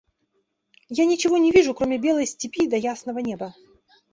– Я ничего не вижу, кроме белой степи да ясного неба.